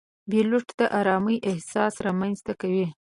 پیلوټ د آرامۍ احساس رامنځته کوي.